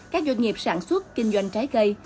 các doanh nghiệp sản xuất kinh doanh trái cây